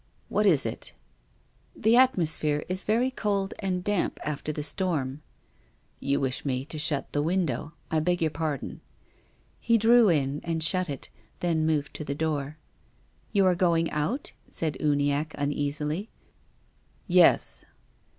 " What is it ?"" The atmosphere is very cold and damp after the storm." " You wish me to shut the window ? I beg your pardon." He drew in and shut it, then moved to the door. " You are going out ?" said Uniacke uneasily. " Yes."